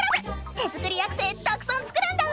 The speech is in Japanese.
手作りアクセたくさん作るんだぁ！